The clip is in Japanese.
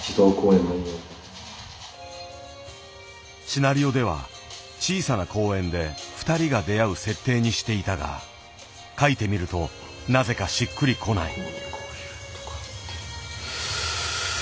シナリオでは小さな公園で２人が出会う設定にしていたが描いてみるとなぜかしっくりこない。